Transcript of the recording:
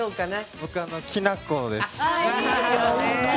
僕はきな粉です。